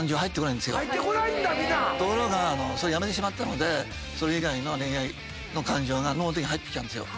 ところがやめてしまったのでそれ以外の恋愛の感情が脳に入ってきたんですよ。